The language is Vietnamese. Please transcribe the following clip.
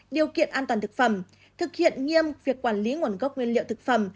điều kiện an toàn thực phẩm thực hiện nghiêm việc quản lý nguồn gốc nguyên liệu thực phẩm